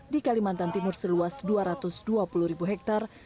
di kalimantan timur seluas dua ratus dua puluh ribu hektare